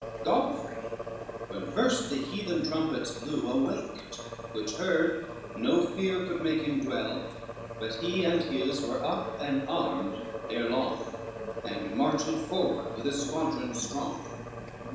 Godfrey, when first the heathen trumpets blew, Awaked, which heard, no fear could make him dwell, But he and his were up and armed ere long, And marched forward with a squadron strong.